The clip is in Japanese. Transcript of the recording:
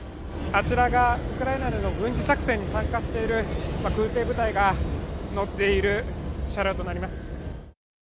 あちらがウクライナでの軍事作戦に参加している空てい部隊が乗っている車両となります